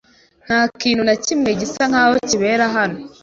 Nta kintu na kimwe gisa nkaho kibera hano.